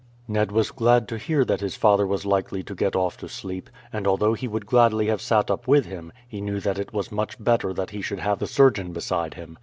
Ned was glad to hear that his father was likely to get off to sleep; and although he would gladly have sat up with him, he knew that it was much better that he should have the surgeon beside him.